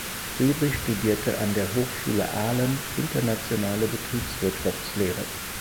Friedrich studierte an der Hochschule Aalen internationale Betriebswirtschaftslehre.